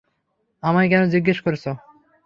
আমায় কেনো জিজ্ঞেস করছো?